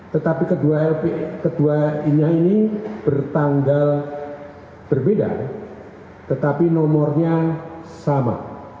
tetapi kedua lp kedua ini bertanggal berbeda tetapi nomornya sama